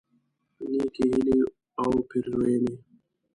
نیکی هیلی او پیرزوینی